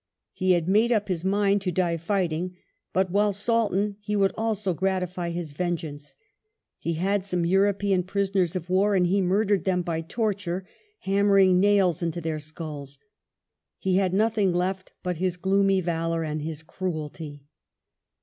He had made up his mind to die fighting, but while Sultan he would also gratify his vengeance — he had some European prisoners of war, and he murdered them by torture, hammering nails into their skulls. He had nothing left but his gloomy valour and his cruelty.